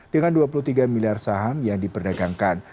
dengan dua puluh tiga miliar saham yang diperdagangkan